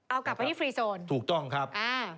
เอากลับไปที่ฟรีโซนถูกต้องครับอ่า